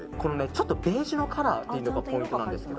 ちょっとベージュのカラーというのがポイントなんです。